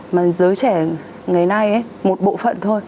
mà giới trẻ ngày nay một bộ phận thôi